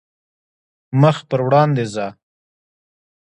مخ پر وړاندې ځه .